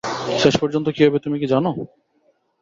শেষ পর্যন্ত কী হবে তুমি কি জান?